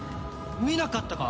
見なかったか？